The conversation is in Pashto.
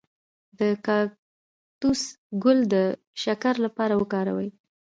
د کاکتوس ګل د شکر لپاره وکاروئ